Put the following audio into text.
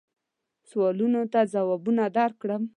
سوالونو ته جوابونه درکړم.